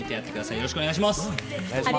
よろしくお願いします。